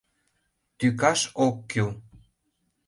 — Тӱкаш ок кӱл.